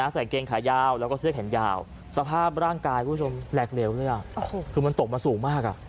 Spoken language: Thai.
เกงขายาวแล้วก็เสื้อแขนยาวสภาพร่างกายคุณผู้ชมแหลกเหลวหรือเปล่าคือมันตกมาสูงมาก